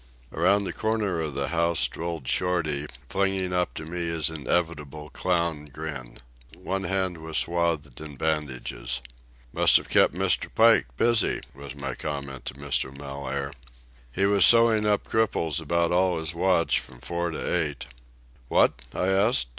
Around the corner of the house strolled Shorty, flinging up to me his inevitable clown grin. One hand was swathed in bandages. "Must have kept Mr. Pike busy," was my comment to Mr. Mellaire. "He was sewing up cripples about all his watch from four till eight." "What?" I asked.